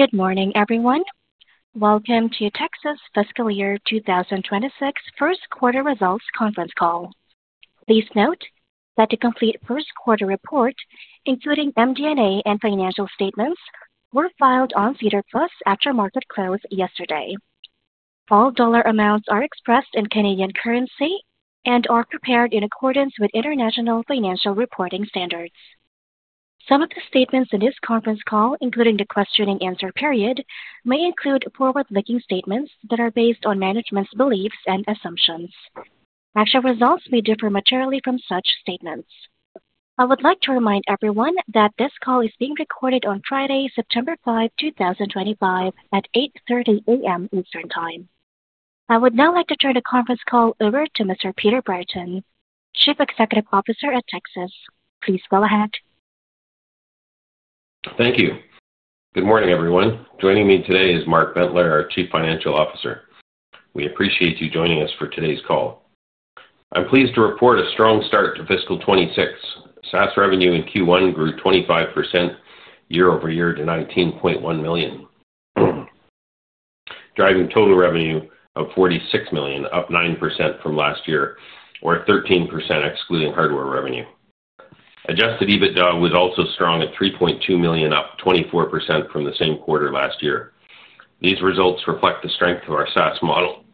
Good morning, everyone. Welcome to Tecsys Fiscal Year 2026 First Quarter Results Conference Call. Please note that the complete first quarter report, including MD&A and financial statements, were filed on SEDAR Plus after market close yesterday. All dollar amounts are expressed in Canadian currency and are prepared in accordance with International Financial Reporting Standards. Some of the statements in this conference call, including the question and answer period, may include forward-looking statements that are based on management's beliefs and assumptions. Actual results may differ materially from such statements. I would like to remind everyone that this call is being recorded on Friday, September 5, 2025, at 8:30 A.M. Eastern Time. I would now like to turn the conference call over to Mr. Peter Brereton, Chief Executive Officer at Tecsys. Please go ahead. Thank you. Good morning, everyone. Joining me today is Mark J. Bentler, our Chief Financial Officer. We appreciate you joining us for today's call. I'm pleased to report a strong start to Fiscal 2026. SaaS revenue in Q1 grew 25% year-over-year to $19.1 million, driving total revenue of $46 million, up 9% from last year, or 13% excluding hardware revenue. Adjusted EBITDA was also strong at $3.2 million, up 24% from the same quarter last year. These results reflect the strength of our SaaS model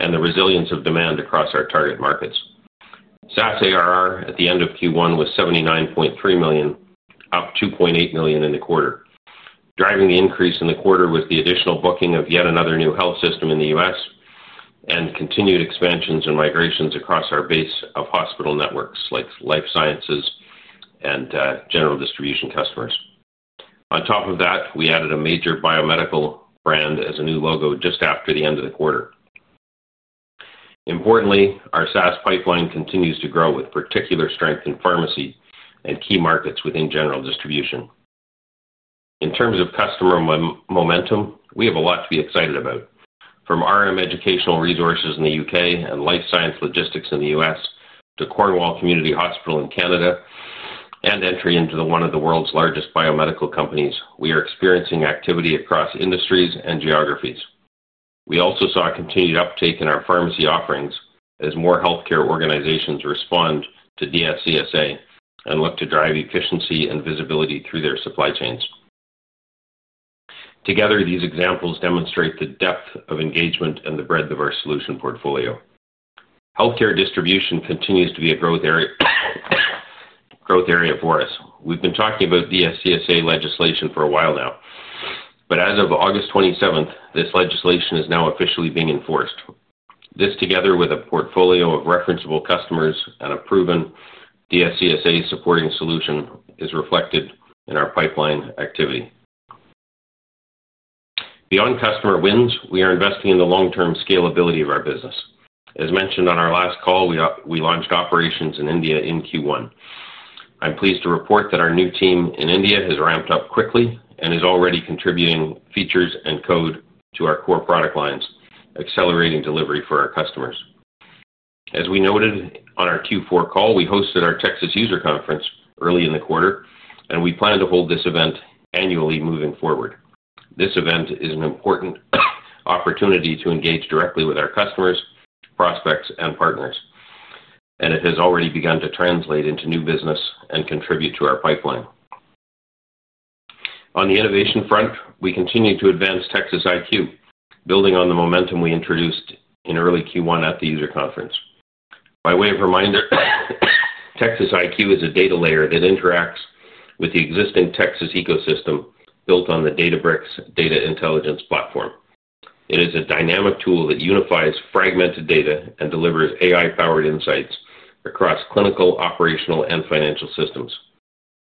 and the resilience of demand across our target markets. SaaS ARR at the end of Q1 was $79.3 million, up $2.8 million in the quarter, driving the increase in the quarter with the additional booking of yet another new health system in the U.S. and continued expansions and migrations across our base of hospital networks like Life Science Logistics and general distribution customers. On top of that, we added a major biomedical brand as a new logo just after the end of the quarter. Importantly, our SaaS pipeline continues to grow with particular strength in pharmacy and key markets within general distribution. In terms of customer momentum, we have a lot to be excited about. From RM Educational Resources in the UK and Life Science Logistics in the U.S. to Cornwall Community Hospital in Canada and entry into one of the world's largest biomedical companies, we are experiencing activity across industries and geographies. We also saw continued uptake in our pharmacy offerings as more healthcare organizations respond to DSCSA and look to drive efficiency and visibility through their supply chains. Together, these examples demonstrate the depth of engagement and the breadth of our solution portfolio. Healthcare distribution continues to be a growth area for us. We've been talking about DSCSA legislation for a while now, but as of August 27, this legislation is now officially being enforced. This, together with a portfolio of referenceable customers and a proven DSCSA supporting solution, is reflected in our pipeline activity. Beyond customer wins, we are investing in the long-term scalability of our business. As mentioned on our last call, we launched operations in India in Q1. I'm pleased to report that our new team in India has ramped up quickly and is already contributing features and code to our core product lines, accelerating delivery for our customers. As we noted on our Q4 call, we hosted our Tecsys User Conference early in the quarter, and we plan to hold this event annually moving forward. This event is an important opportunity to engage directly with our customers, prospects, and partners, and it has already begun to translate into new business and contribute to our pipeline. On the innovation front, we continue to advance Tecsys IQ, building on the momentum we introduced in early Q1 at the User Conference. By way of reminder, Tecsys IQ is a data layer that interacts with the existing Tecsys ecosystem built on the Databricks Data Intelligence Platform. It is a dynamic tool that unifies fragmented data and delivers AI-powered insights across clinical, operational, and financial systems.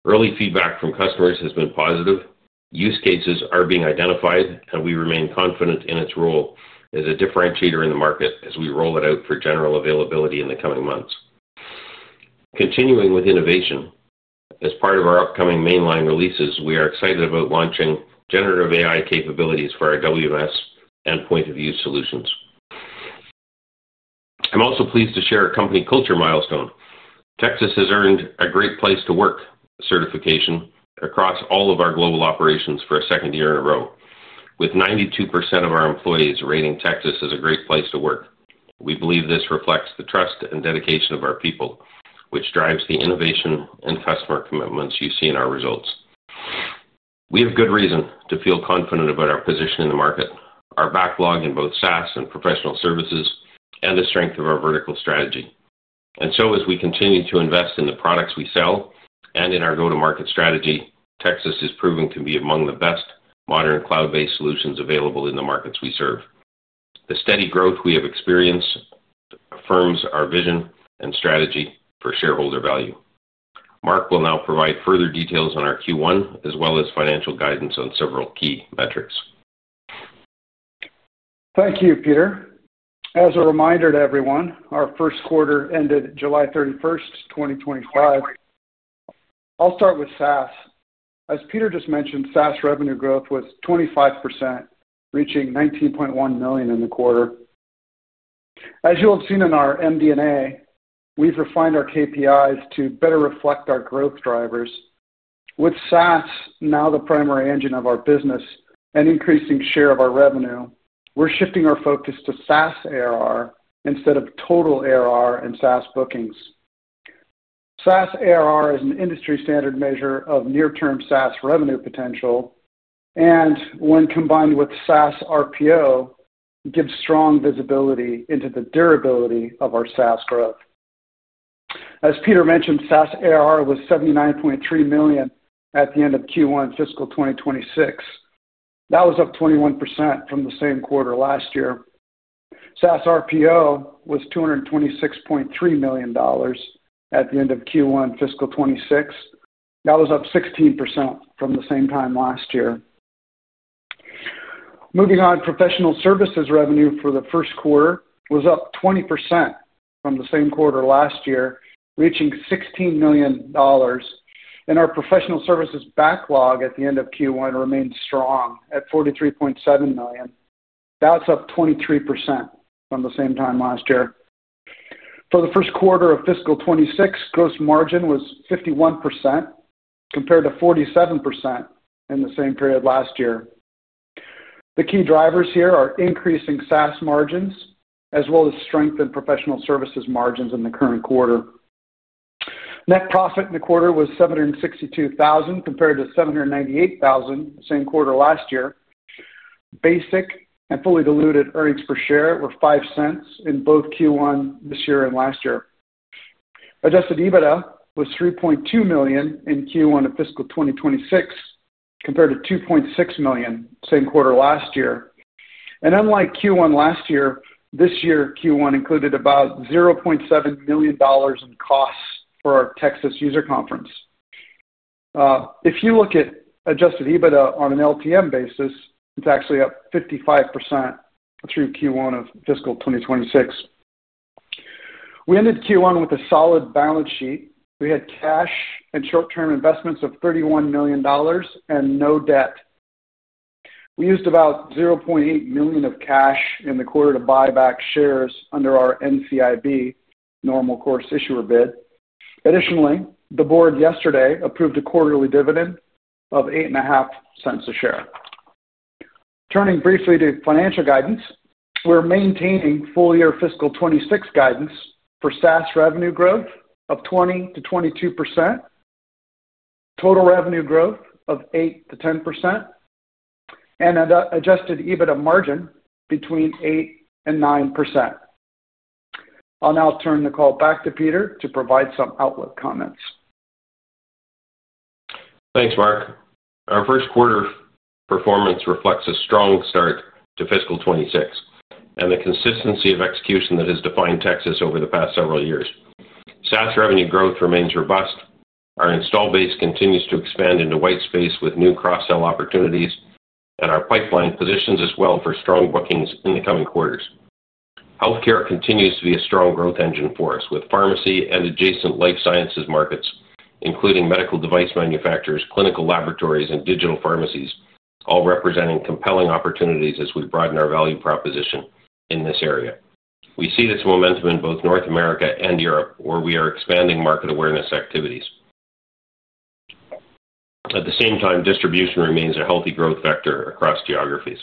Early feedback from customers has been positive. Use cases are being identified, and we remain confident in its role as a differentiator in the market as we roll it out for general availability in the coming months. Continuing with innovation, as part of our upcoming mainline releases, we are excited about launching generative AI capabilities for our WMS and point-of-use solutions. I'm also pleased to share a company culture milestone. Tecsys has earned a Great Place to Work certification across all of our global operations for a second year in a row, with 92% of our employees rating Tecsys as a great place to work. We believe this reflects the trust and dedication of our people, which drives the innovation and customer commitments you see in our results. We have good reason to feel confident about our position in the market, our backlog in both SaaS and professional services, and the strength of our vertical strategy. As we continue to invest in the products we sell and in our go-to-market strategy, Tecsys is proving to be among the best modern cloud-based solutions available in the markets we serve. The steady growth we have experienced affirms our vision and strategy for shareholder value. Mark will now provide further details on our Q1, as well as financial guidance on several key metrics. Thank you, Peter. As a reminder to everyone, our first quarter ended July 31, 2025. I'll start with SaaS. As Peter just mentioned, SaaS revenue growth was 25%, reaching $19.1 million in the quarter. As you'll have seen in our MD&A, we've refined our KPIs to better reflect our growth drivers. With SaaS now the primary engine of our business and increasing share of our revenue, we're shifting our focus to SaaS ARR instead of total ARR and SaaS bookings. SaaS ARR is an industry standard measure of near-term SaaS revenue potential, and when combined with SaaS RPO, it gives strong visibility into the durability of our SaaS growth. As Peter mentioned, SaaS ARR was $79.3 million at the end of Q1 fiscal 2026. That was up 21% from the same quarter last year. SaaS RPO was $226.3 million at the end of Q1 fiscal 2026. That was up 16% from the same time last year. Moving on, professional services revenue for the first quarter was up 20% from the same quarter last year, reaching $16 million, and our professional services backlog at the end of Q1 remained strong at $43.7 million. That's up 23% from the same time last year. For the first quarter of fiscal 2026, gross margin was 51% compared to 47% in the same period last year. The key drivers here are increasing SaaS margins as well as strength in professional services margins in the current quarter. Net profit in the quarter was $762,000 compared to $798,000 same quarter last year. Basic and fully diluted earnings per share were $0.05 in both Q1 this year and last year. Adjusted EBITDA was $3.2 million in Q1 of fiscal 2026 compared to $2.6 million same quarter last year. Unlike Q1 last year, this year Q1 included about $0.7 million in costs for our Texas User Conference. If you look at adjusted EBITDA on an LTM basis, it's actually up 55% through Q1 of fiscal 2026. We ended Q1 with a solid balance sheet. We had cash and short-term investments of $31 million and no debt. We used about $0.8 million of cash in the quarter to buy back shares under our NCIB normal course issuer bid. Additionally, the board yesterday approved a quarterly dividend of $0.085 a share. Turning briefly to financial guidance, we're maintaining full-year fiscal 2026 guidance for SaaS revenue growth of 20%-22%, total revenue growth of 8% to 10%, and an adjusted EBITDA margin between 8% and 9%. I'll now turn the call back to Peter to provide some outlook comments. Thanks, Mark. Our first quarter performance reflects a strong start to fiscal 2026 and the consistency of execution that has defined Tecsys over the past several years. SaaS revenue growth remains robust. Our install base continues to expand into white space with new cross-sell opportunities, and our pipeline positions us well for strong bookings in the coming quarters. Healthcare continues to be a strong growth engine for us, with pharmacy and adjacent life sciences markets, including medical device manufacturers, clinical laboratories, and digital pharmacies, all representing compelling opportunities as we broaden our value proposition in this area. We see this momentum in both North America and Europe, where we are expanding market awareness activities. At the same time, distribution remains a healthy growth factor across geographies.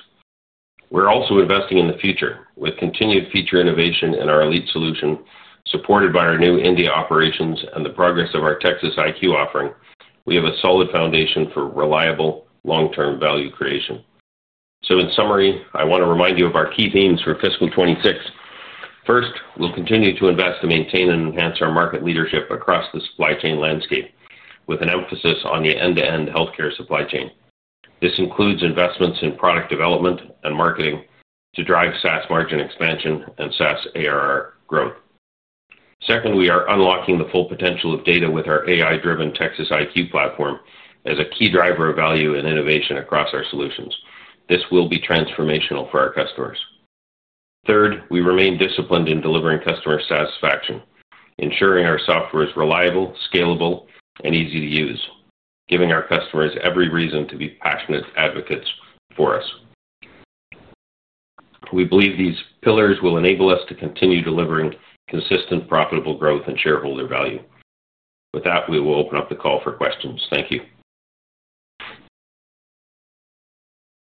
We're also investing in the future with continued feature innovation in our Elite solution, supported by our new India operations and the progress of our Tecsys IQ offering. We have a solid foundation for reliable long-term value creation. In summary, I want to remind you of our key themes for fiscal 2026. First, we'll continue to invest to maintain and enhance our market leadership across the supply chain landscape with an emphasis on the end-to-end healthcare supply chain. This includes investments in product development and marketing to drive SaaS margin expansion and SaaS ARR growth. Second, we are unlocking the full potential of data with our AI-driven Tecsys IQ platform as a key driver of value and innovation across our solutions. This will be transformational for our customers. Third, we remain disciplined in delivering customer satisfaction, ensuring our software is reliable, scalable, and easy to use, giving our customers every reason to be passionate advocates for us. We believe these pillars will enable us to continue delivering consistent profitable growth and shareholder value. With that, we will open up the call for questions. Thank you.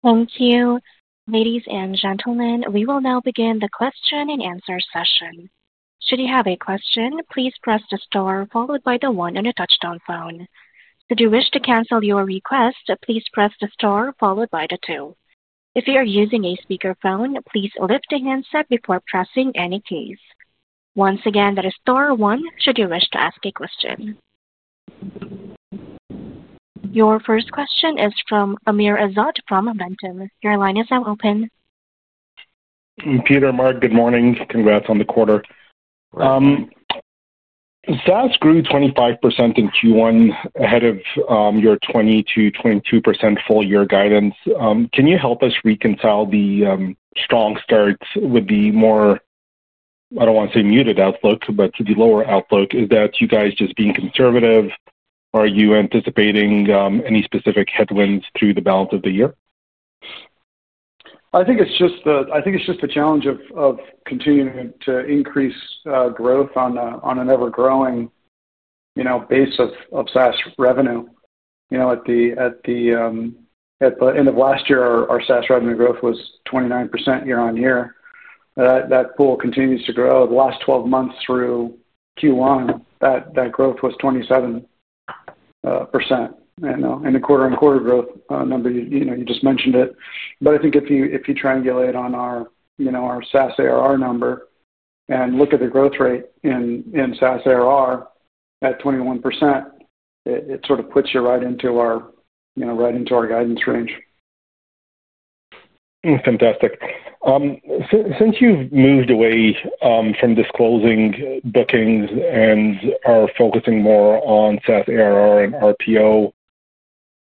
Thank you, ladies and gentlemen. We will now begin the question and answer session. Should you have a question, please press the star followed by the one on your touch-tone phone. Should you wish to cancel your request, please press the star followed by the two. If you are using a speaker phone, please lift your handset before pressing any keys. Once again, that is star one should you wish to ask a question. Your first question is from Amr Ezzat from Momentum. Your line is now open. Peter, Mark, good morning. Congrats on the quarter. SaaS grew 25% in Q1 ahead of your 20%-22% full-year guidance. Can you help us reconcile the strong start with the more, I don't want to say muted outlook, but the lower outlook? Is that you guys just being conservative? Are you anticipating any specific headwinds through the balance of the year? I think it's just the challenge of continuing to increase growth on an ever-growing base of SaaS revenue. At the end of last year, our SaaS revenue growth was 29% year-on-year. That pool continues to grow. The last 12 months through Q1, that growth was 27%. The quarter-on-quarter growth number, you just mentioned it. If you triangulate on our SaaS ARR number and look at the growth rate in SaaS ARR at 21%, it sort of puts you right into our guidance range. Fantastic. Since you've moved away from disclosing bookings and are focusing more on SaaS ARR and RPO,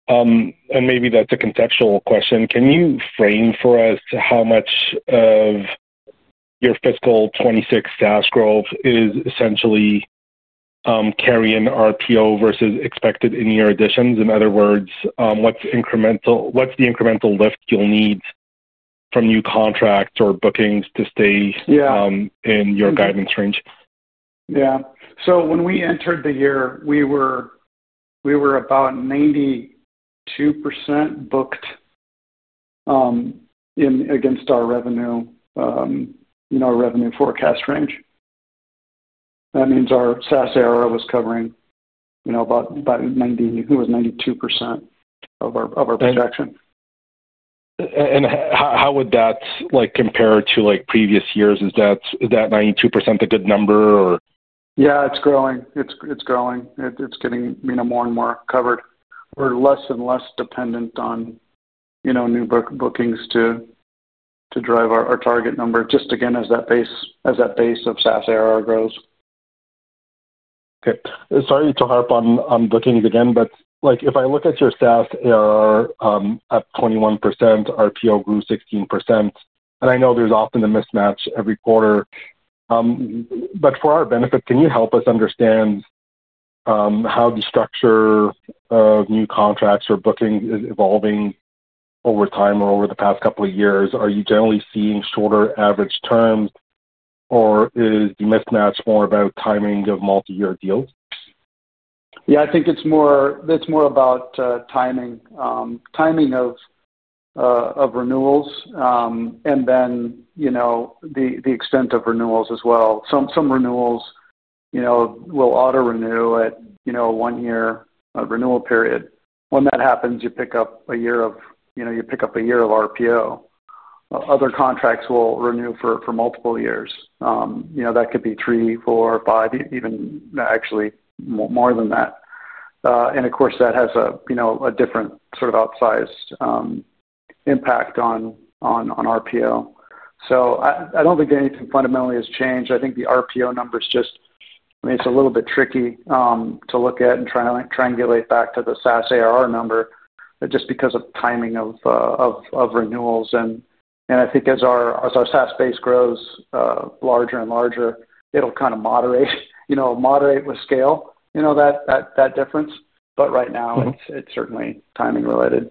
and maybe that's a contextual question, can you frame for us how much of your fiscal 2026 SaaS growth is essentially carrying RPO versus expected in your additions? In other words, what's the incremental lift you'll need from new contracts or bookings to stay in your guidance range? Yeah. When we entered the year, we were about 92% booked against our revenue forecast range. That means our SaaS ARR was covering, you know, about 90%. It was 92% of our production. How would that compare to previous years? Is that 92% a good number or? Yeah, it's growing. It's growing. It's getting more and more covered. We're less and less dependent on, you know, new bookings to drive our target number just again as that base of SaaS ARR growth. Okay. Sorry to harp on bookings again, but if I look at your SaaS ARR at 21%, RPO grew 16%, and I know there's often a mismatch every quarter. For our benefit, can you help us understand how the structure of new contracts or booking is evolving over time or over the past couple of years? Are you generally seeing shorter average terms, or is the mismatch more about timing of multi-year deals? Yeah, I think it's more about timing of renewals and then the extent of renewals as well. Some renewals will auto-renew at a one-year renewal period. When that happens, you pick up a year of RPO. Other contracts will renew for multiple years. That could be three, four, or five, even actually more than that. Of course, that has a different sort of outsized impact on RPO. I don't think anything fundamentally has changed. I think the RPO number is just, I mean, it's a little bit tricky to look at and triangulate back to the SaaS ARR number just because of timing of renewals. I think as our SaaS base grows larger and larger, it'll kind of moderate, moderate with scale, that difference. Right now, it's certainly timing-related.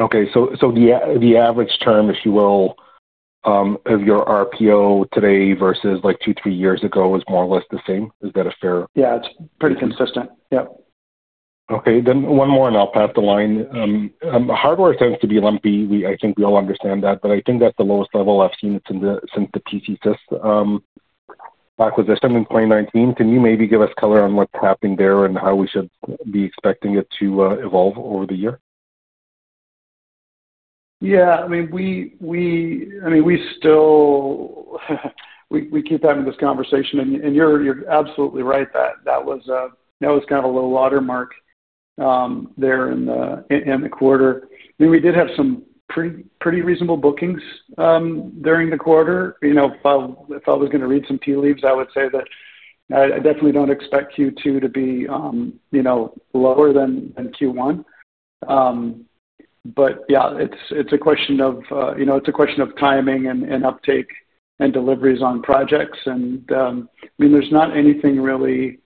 Okay. The average term, if you will, of your RPO today versus like two, three years ago is more or less the same? Is that fair? Yeah, it's pretty consistent. Yep. Okay. One more, and I'll pass the line. Hardware tends to be lumpy. I think we all understand that, but I think that's the lowest level I've seen since the Tecsys acquisition in 2019. Can you maybe give us color on what's happening there and how we should be expecting it to evolve over the year? Yeah. I mean, we still, we keep having this conversation, and you're absolutely right that that was kind of a little louder mark there in the quarter. I mean, we did have some pretty reasonable bookings during the quarter. You know, if I was going to read some tea leaves, I would say that I definitely don't expect Q2 to be lower than Q1. It's a question of timing and uptake and deliveries on projects. I mean, there's not anything really,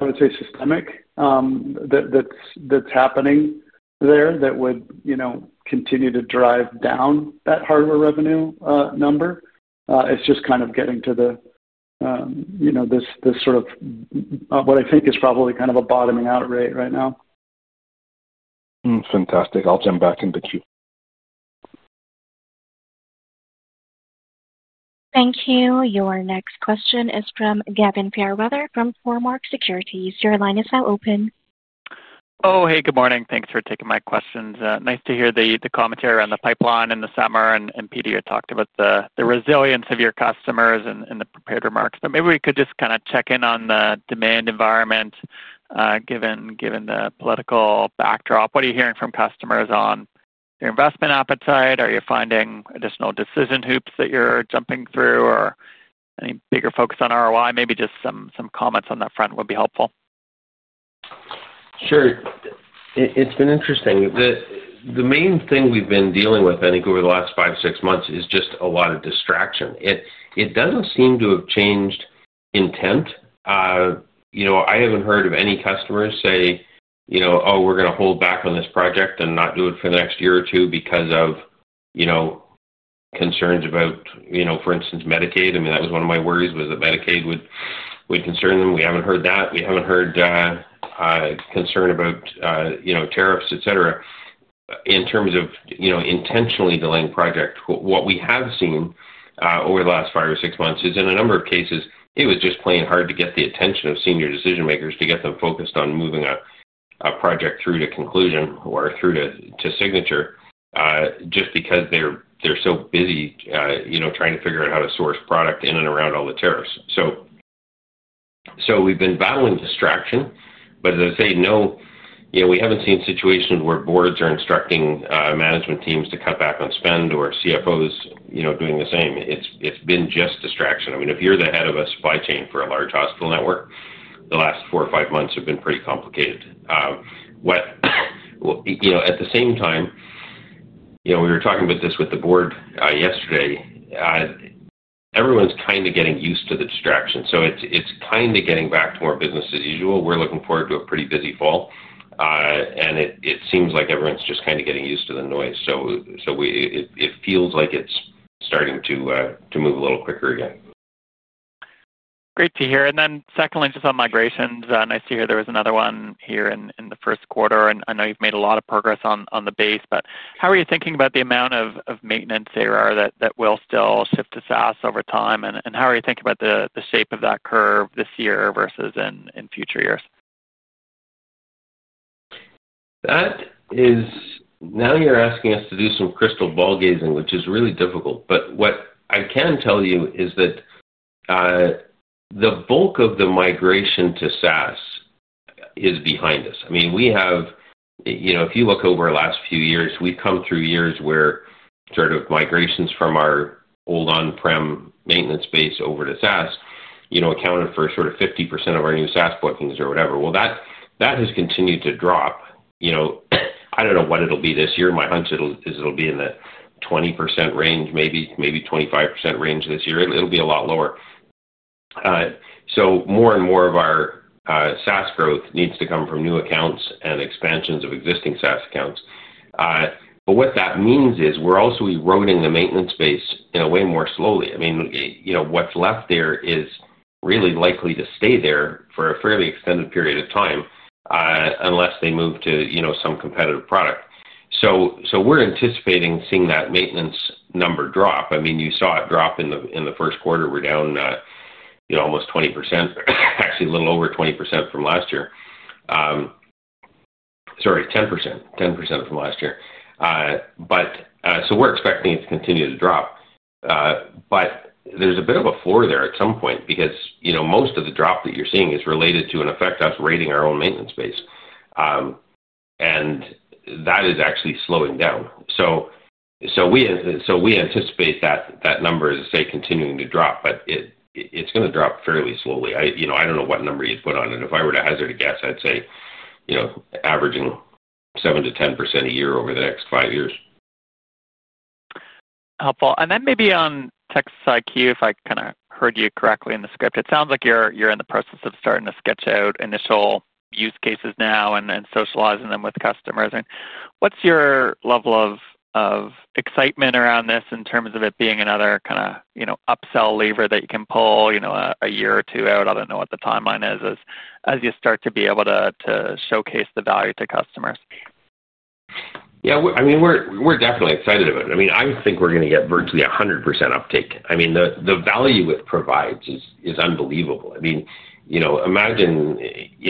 I would say, systemic that's happening there that would continue to drive down that hardware revenue number. It's just kind of getting to the, you know, this sort of what I think is probably kind of a bottoming out rate right now. Fantastic. I'll jump back into Q. Thank you. Your next question is from Gavin Fairweather from Cormark Securities. Your line is now open. Oh, hey, good morning. Thanks for taking my questions. Nice to hear the commentary around the pipeline in the summer, and Peter, you talked about the resilience of your customers in the prepared remarks. Maybe we could just kind of check in on the demand environment, given the political backdrop. What are you hearing from customers on your investment appetite? Are you finding additional decision hoops that you're jumping through, or any bigger focus on ROI? Maybe just some comments on that front would be helpful. Sure. It's been interesting. The main thing we've been dealing with over the last five to six months is just a lot of distraction. It doesn't seem to have changed intent. I haven't heard of any customers say, you know, oh, we're going to hold back on this project and not do it for the next year or two because of concerns about, for instance, Medicaid. I mean, that was one of my worries was that Medicaid would concern them. We haven't heard that. We haven't heard concern about tariffs, etc. In terms of intentionally delaying projects, what we have seen over the last five or six months is in a number of cases, it was just playing hard to get the attention of senior decision makers to get them focused on moving a project through to conclusion or through to signature just because they're so busy trying to figure out how to source product in and around all the tariffs. We've been battling distraction, but as I say, no, we haven't seen situations where boards are instructing management teams to cut back on spend or CFOs doing the same. It's been just distraction. If you're the head of a supply chain for a large hospital network, the last four or five months have been pretty complicated. At the same time, we were talking about this with the board yesterday. Everyone's kind of getting used to the distraction. It's kind of getting back to more business as usual. We're looking forward to a pretty busy fall. It seems like everyone's just kind of getting used to the noise. It feels like it's starting to move a little quicker again. Great to hear. Secondly, just on migrations, nice to hear there was another one here in the first quarter. I know you've made a lot of progress on the base, but how are you thinking about the amount of maintenance ARR that will still shift to SaaS over time? How are you thinking about the shape of that curve this year versus in future years? That is, now you're asking us to do some crystal ball gazing, which is really difficult. What I can tell you is that the bulk of the migration to SaaS is behind us. I mean, you know, if you look over the last few years, we've come through years where migrations from our old on-prem maintenance base over to SaaS accounted for 50% of our new SaaS bookings or whatever. That has continued to drop. I don't know what it'll be this year. My hunch is it'll be in the 20% range, maybe 25% range this year. It'll be a lot lower. More and more of our SaaS growth needs to come from new accounts and expansions of existing SaaS accounts. What that means is we're also eroding the maintenance base in a way more slowly. You know, what's left there is really likely to stay there for a fairly extended period of time unless they move to some competitive product. We're anticipating seeing that maintenance number drop. You saw it drop in the first quarter. We're down almost 20%. Actually, a little over 20% from last year. Sorry, it's 10%. 10% from last year. We're expecting it to continue to drop. There's a bit of a floor there at some point because most of the drop that you're seeing is related to, in effect, us raiding our own maintenance base. That is actually slowing down. We anticipate that number is continuing to drop, but it's going to drop fairly slowly. I don't know what number you'd put on it. If I were to hazard a guess, I'd say averaging 7%-10% a year over the next five years. Helpful. Maybe on Tecsys IQ, if I kind of heard you correctly in the script, it sounds like you're in the process of starting to sketch out initial use cases now and socializing them with customers. What's your level of excitement around this in terms of it being another kind of, you know, upsell lever that you can pull a year or two out? I don't know what the timeline is as you start to be able to showcase the value to customers. Yeah, I mean, we're definitely excited about it. I think we're going to get virtually 100% uptake. The value it provides is unbelievable. You know, imagine,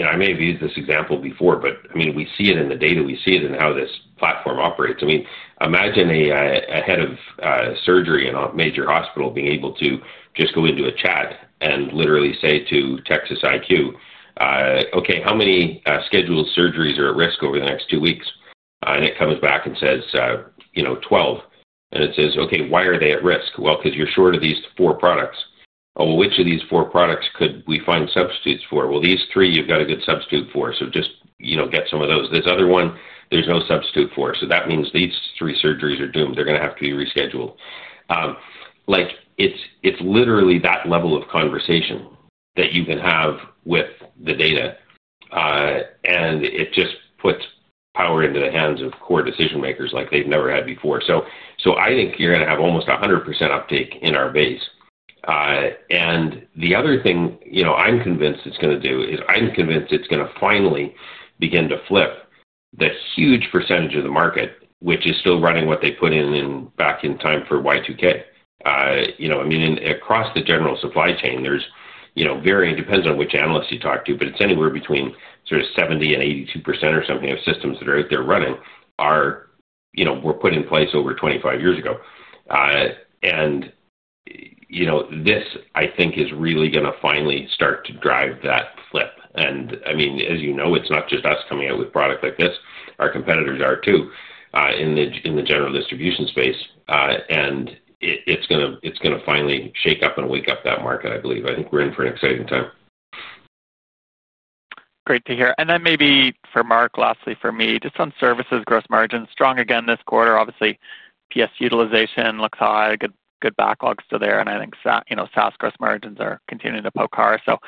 I may have used this example before, but we see it in the data. We see it in how this platform operates. Imagine a Head of Surgery in a major hospital being able to just go into a chat and literally say to Tecsys IQ, "Okay, how many scheduled surgeries are at risk over the next two weeks?" And it comes back and says, you know, 12. And it says, "Okay, why are they at risk?" Well, because you're short of these four products. "Oh, well, which of these four products could we find substitutes for?" Well, these three, you've got a good substitute for. So just, you know, get some of those. This other one, there's no substitute for. That means these three surgeries are doomed. They're going to have to be rescheduled. It's literally that level of conversation that you can have with the data. It just puts power into the hands of core decision makers like they've never had before. I think you're going to have almost 100% uptake in our base. The other thing I'm convinced it's going to do is I'm convinced it's going to finally begin to flip the huge percentage of the market, which is still running what they put in back in time for Y2K. Across the general supply chain, there's, you know, varying depends on which analysts you talk to, but it's anywhere between sort of 70% and 82% or something of systems that are out there running are, you know, were put in place over 25 years ago. This, I think, is really going to finally start to drive that flip. As you know, it's not just us coming out with product like this. Our competitors are too in the general distribution space. It's going to finally shake up and wake up that market, I believe. I think we're in for an exciting time. Great to hear. Maybe for Mark, lastly for me, just on services, gross margins strong again this quarter. Obviously, PS utilization looks high, good backlog still there. I think, you know, SaaS gross margins are continuing to poke higher. Do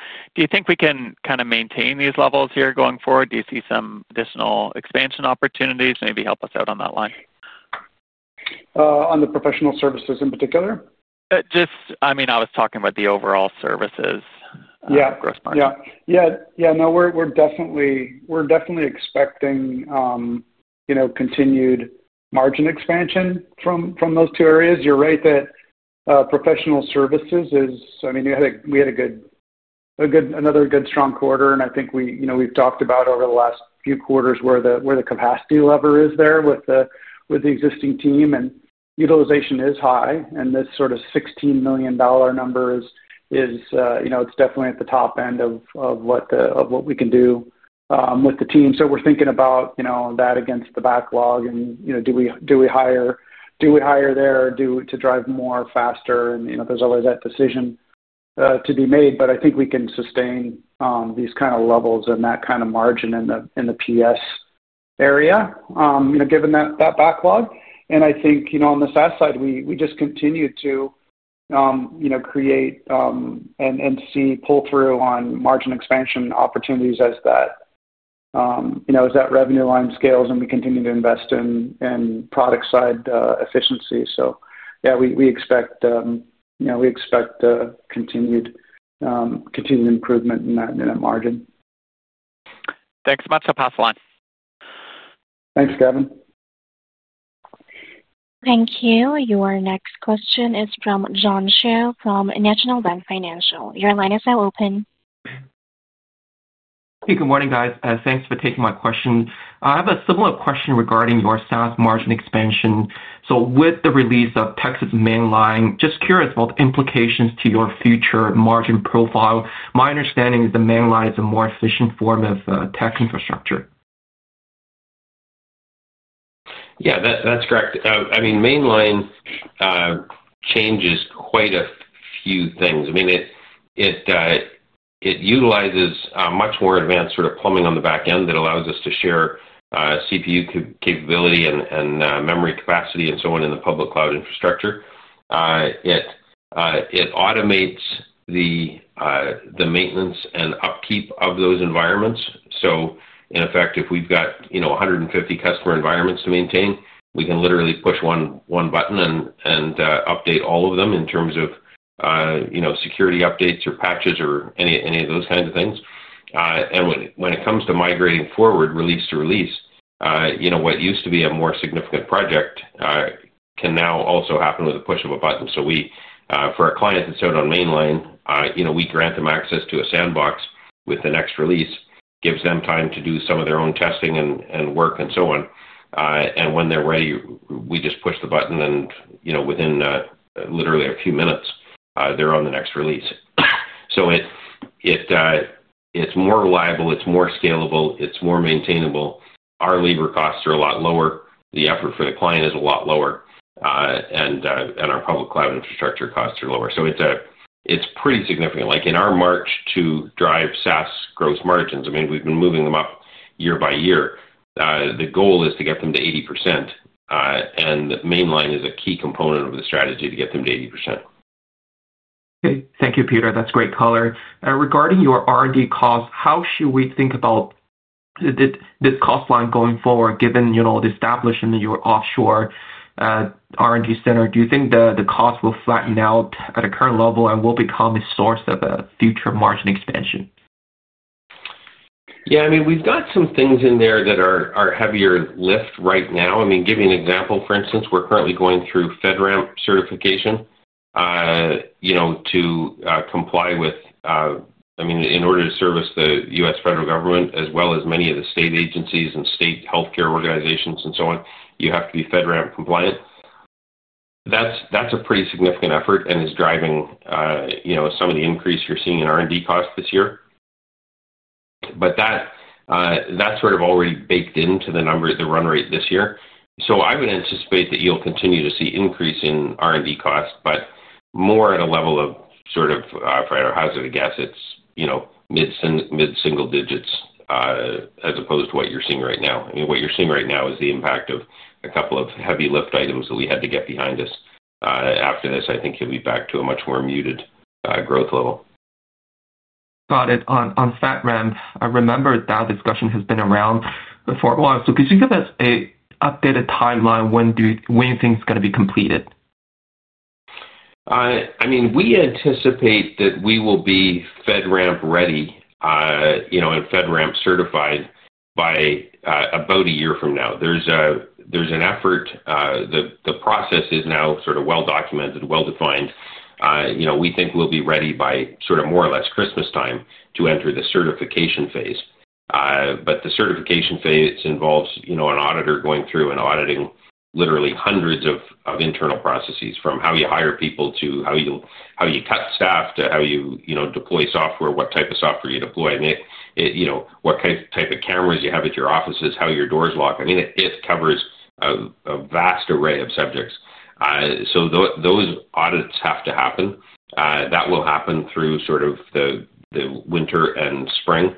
you think we can kind of maintain these levels here going forward? Do you see some additional expansion opportunities? Maybe help us out on that line. On the professional services in particular? I was talking about the overall services gross margin. Yeah. Yeah. Yeah. No, we're definitely expecting, you know, continued margin expansion from those two areas. You're right that professional services is, I mean, we had a good, a good, another good strong quarter. I think we, you know, we've talked about over the last few quarters where the capacity lever is there with the existing team and utilization is high. This sort of $16 million number is, you know, it's definitely at the top end of what we can do with the team. We're thinking about, you know, that against the backlog and, you know, do we hire, do we hire there to drive more faster? There's always that decision to be made. I think we can sustain these kind of levels and that kind of margin in the PS area, you know, given that backlog. I think, you know, on the SaaS side, we just continue to, you know, create and see pull-through on margin expansion opportunities as that revenue line scales and we continue to invest in product side efficiency. Yeah, we expect, you know, we expect continued improvement in that margin. Thanks so much. I'll pass it on. Thanks, Gavin. Thank you. Your next question is from John Shao from National Bank Financial. Your line is now open. Hey, good morning, guys. Thanks for taking my question. I have a similar question regarding your SaaS margin expansion. With the release of Tecsys Mainline, just curious about the implications to your future margin profile. My understanding is the Mainline is a more efficient form of SaaS infrastructure. Yeah, that's correct. Mainline changes quite a few things. It utilizes much more advanced sort of plumbing on the back end that allows us to share CPU capability and memory capacity and so on in the public cloud infrastructure. It automates the maintenance and upkeep of those environments. In effect, if we've got, you know, 150 customer environments to maintain, we can literally push one button and update all of them in terms of, you know, security updates or patches or any of those kinds of things. When it comes to migrating forward, release to release, what used to be a more significant project can now also happen with a push of a button. For our clients that sit on Mainline, we grant them access to a sandbox with the next release, gives them time to do some of their own testing and work and so on. When they're ready, we just push the button and, you know, within literally a few minutes, they're on the next release. It's more reliable, it's more scalable, it's more maintainable. Our labor costs are a lot lower, the effort for the client is a lot lower, and our public cloud infrastructure costs are lower. It's pretty significant. In our march to drive SaaS gross margins, we've been moving them up year by year. The goal is to get them to 80%. Mainline is a key component of the strategy to get them to 80%. Okay. Thank you, Peter. That's a great caller. Regarding your R&D costs, how should we think about the cost line going forward, given, you know, the establishment in your offshore R&D center? Do you think the cost will flatten out at the current level and will become a source of a future margin expansion? Yeah, I mean, we've got some things in there that are heavier lift right now. For instance, we're currently going through FedRAMP certification, you know, to comply with, I mean, in order to service the U.S. federal government, as well as many of the state agencies and state healthcare organizations and so on, you have to be FedRAMP compliant. That's a pretty significant effort and is driving, you know, some of the increase you're seeing in R&D costs this year. That's sort of already baked into the number, the run rate this year. I would anticipate that you'll continue to see increase in R&D costs, but more at a level of sort of, if I had a hazard guess, it's, you know, mid-single digits as opposed to what you're seeing right now. What you're seeing right now is the impact of a couple of heavy lift items that we had to get behind us. After this, I think it'll be back to a much more muted growth level. Got it. On FedRAMP, I remember that discussion has been around for a while. Could you give us an updated timeline when do you think it's going to be completed? I mean, we anticipate that we will be FedRAMP ready, you know, and FedRAMP certified by about a year from now. There's an effort. The process is now sort of well-documented, well-defined. We think we'll be ready by sort of more or less Christmas time to enter the certification phase. The certification phase involves an auditor going through and auditing literally hundreds of internal processes from how you hire people to how you cut staff to how you deploy software, what type of software you deploy, what type of cameras you have at your offices, how your doors lock. I mean, it covers a vast array of subjects. Those audits have to happen. That will happen through the winter and spring.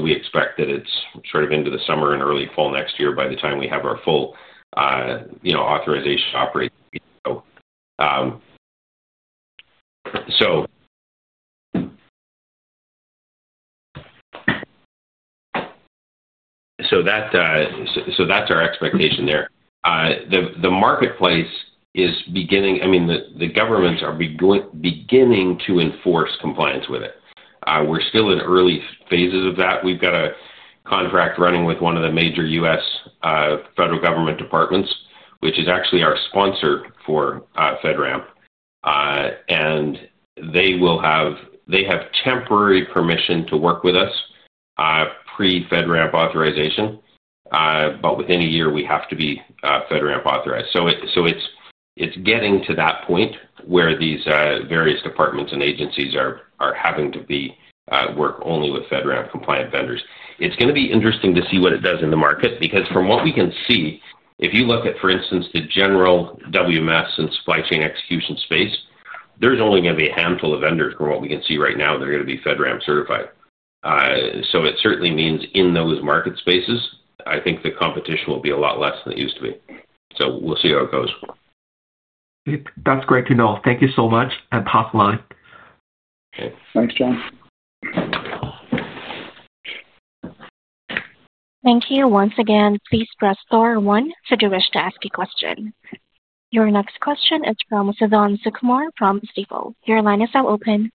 We expect that it's into the summer and early fall next year by the time we have our full authorization to operate. That's our expectation there. The marketplace is beginning, I mean, the governments are beginning to enforce compliance with it. We're still in early phases of that. We've got a contract running with one of the major U.S. federal government departments, which is actually our sponsor for FedRAMP. They have temporary permission to work with us pre-FedRAMP authorization. Within a year, we have to be FedRAMP authorized. It's getting to that point where these various departments and agencies are having to work only with FedRAMP compliant vendors. It's going to be interesting to see what it does in the market because from what we can see, if you look at, for instance, the general WMS and supply chain execution space, there's only going to be a handful of vendors from what we can see right now that are going to be FedRAMP certified. It certainly means in those market spaces, I think the competition will be a lot less than it used to be. We'll see how it goes. That's great to know. Thank you so much. Please pass the line. Okay. Thanks, John. Thank you once again. Please press star one if you wish to ask a question. Your next question is from Suthan Sukumar from Stifel. Your line is now open.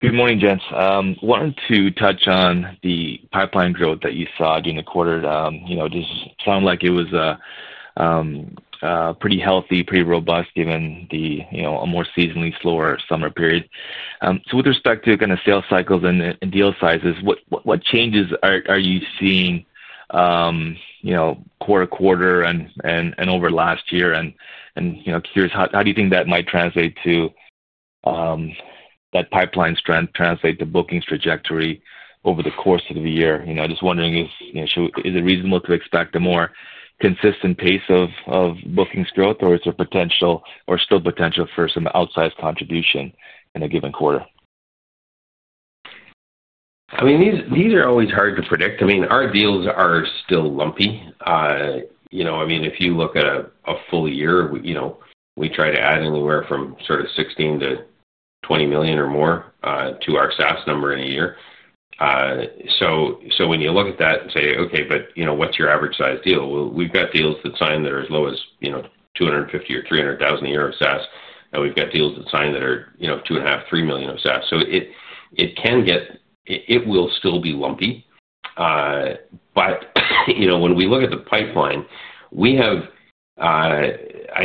Good morning, gents. Wanted to touch on the pipeline growth that you saw during the quarter. It just sounded like it was pretty healthy, pretty robust given the, you know, a more seasonally slower summer period. With respect to kind of sales cycles and deal sizes, what changes are you seeing, you know, quarter to quarter and over the last year? Curious, how do you think that might translate to that pipeline strength translate to bookings trajectory over the course of the year? I'm just wondering if, you know, is it reasonable to expect a more consistent pace of bookings growth, or is there potential or still potential for some outsized contribution in a given quarter? I mean, these are always hard to predict. Our deals are still lumpy. If you look at a full year, we try to add anywhere from sort of $16 million-$20 million or more to our SaaS number in a year. When you look at that and say, okay, what's your average size deal? We've got deals that sign that are as low as, you know, $250,000-$300,000 a year of SaaS. We've got deals that sign that are, you know, $2.5 million, $3 million of SaaS. It will still be lumpy. When we look at the pipeline, I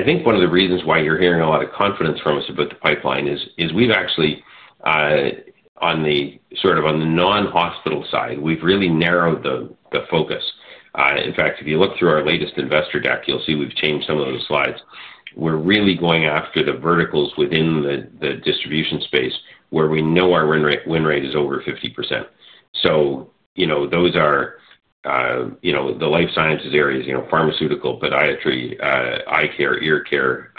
think one of the reasons why you're hearing a lot of confidence from us about the pipeline is we've actually, on the non-hospital side, really narrowed the focus. In fact, if you look through our latest investor deck, you'll see we've changed some of those slides. We're really going after the verticals within the distribution space where we know our win rate is over 50%. Those are the life sciences areas, pharmaceutical, podiatry, eye care, ear care,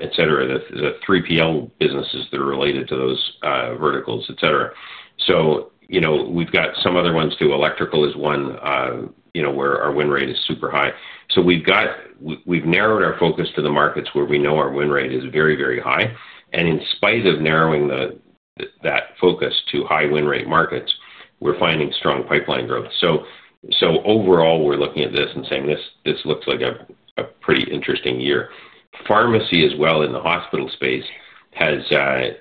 etc., the 3PL businesses that are related to those verticals, etc. We've got some other ones too. Electrical is one where our win rate is super high. We've narrowed our focus to the markets where we know our win rate is very, very high. In spite of narrowing that focus to high win rate markets, we're finding strong pipeline growth. Overall, we're looking at this and saying this looks like a pretty interesting year. Pharmacy as well in the hospital space has,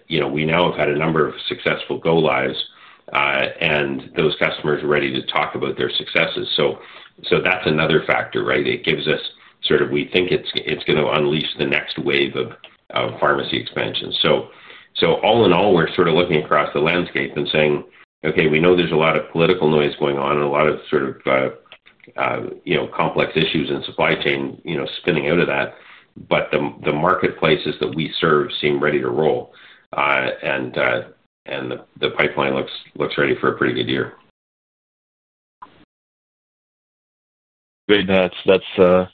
you know, we now have had a number of successful go-lives, and those customers are ready to talk about their successes. That's another factor, right? It gives us sort of, we think it's going to unleash the next wave of pharmacy expansion. All in all, we're sort of looking across the landscape and saying, okay, we know there's a lot of political noise going on and a lot of complex issues in supply chain spinning out of that. The marketplaces that we serve seem ready to roll, and the pipeline looks ready for a pretty good year. Great. That's a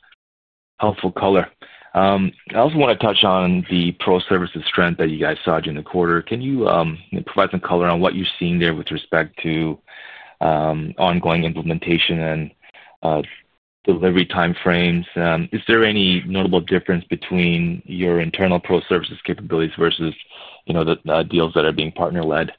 helpful caller. I also want to touch on the pro-services strength that you guys saw during the quarter. Can you provide some color on what you're seeing there with respect to ongoing implementation and delivery timeframes? Is there any notable difference between your internal pro-services capabilities versus, you know, the deals that are being partner-led?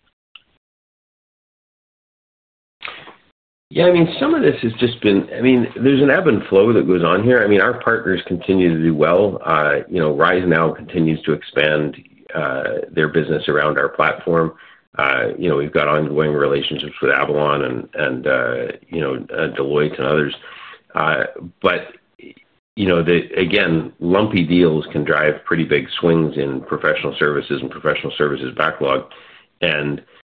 Yeah, I mean, some of this has just been, I mean, there's an ebb and flow that goes on here. Our partners continue to do well. RiseNow continues to expand their business around our platform. We've got ongoing relationships with Avalon and, you know, Deloitte and others. Lumpy deals can drive pretty big swings in professional services and professional services backlog.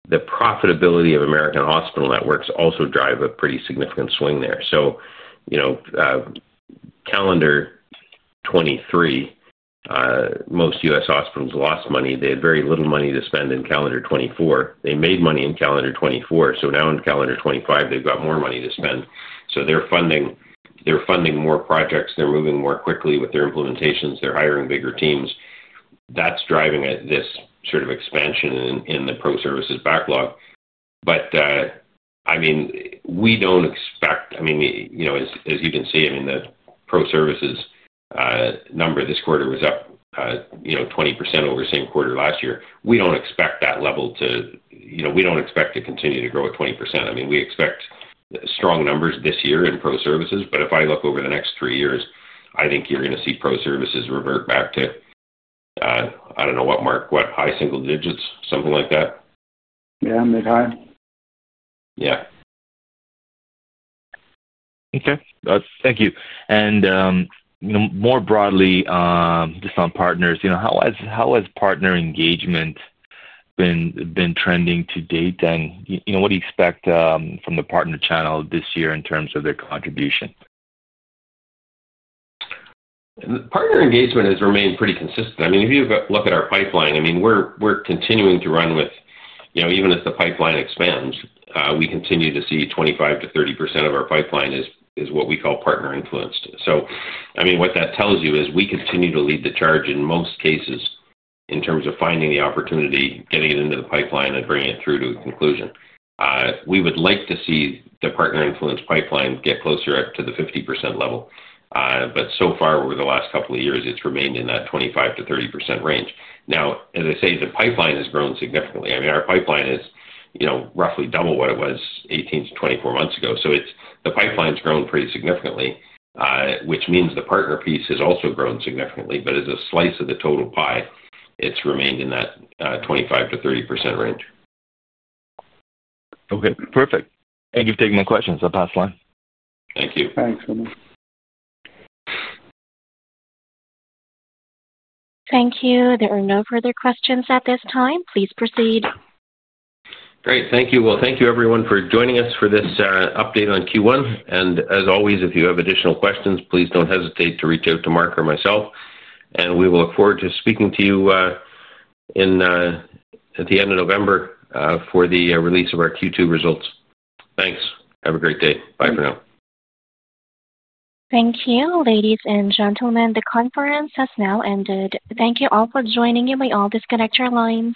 The profitability of American hospital networks also drives a pretty significant swing there. Calendar 2023, most U.S. hospitals lost money. They had very little money to spend. In calendar 2024, they made money. Now in calendar 2025, they've got more money to spend. They're funding more projects. They're moving more quickly with their implementations. They're hiring bigger teams. That's driving this sort of expansion in the pro-services backlog. We don't expect, as you can see, the pro-services number this quarter was up 20% over the same quarter last year. We don't expect that level to continue to grow at 20%. We expect strong numbers this year in pro-services. If I look over the next three years, I think you're going to see pro-services revert back to, I don't know what, Mark, what, high single digits, something like that? Yeah, mid-high. Yeah. Thank you. More broadly, just on partners, how has partner engagement been trending to date? What do you expect from the partner channel this year in terms of their contribution? Partner engagement has remained pretty consistent. If you look at our pipeline, we're continuing to run with, even as the pipeline expands, we continue to see 25%-30% of our pipeline is what we call partner-influenced. What that tells you is we continue to lead the charge in most cases in terms of finding the opportunity, getting it into the pipeline, and bringing it through to a conclusion. We would like to see the partner-influenced pipeline get closer to the 50% level. Over the last couple of years, it's remained in that 25%-30% range. Now, as I say, the pipeline has grown significantly. Our pipeline is roughly double what it was 18 to 24 months ago. The pipeline's grown pretty significantly, which means the partner piece has also grown significantly. As a slice of the total pie, it's remained in that 25%-30% range. Okay. Perfect. Thank you for taking the questions. I'll pass the line. Thank you. Thanks so much. Thank you. There are no further questions at this time. Please proceed. Great. Thank you. Thank you, everyone, for joining us for this update on Q1. As always, if you have additional questions, please don't hesitate to reach out to Mark or myself. We will look forward to speaking to you at the end of November for the release of our Q2 results. Thanks. Have a great day. Bye for now. Thank you, ladies and gentlemen. The conference has now ended. Thank you all for joining. You may all disconnect your line.